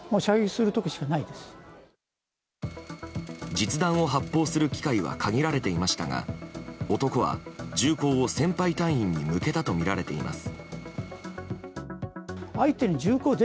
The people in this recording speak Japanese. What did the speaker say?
実弾を発砲する機会は限られていましたが男は銃口を先輩隊員に向けたとみられています。